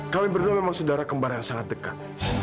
kami berdua memang saudara kembar yang sangat dekat